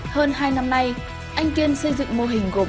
hơn hai năm nay anh kiên xây dựng mô hình gộp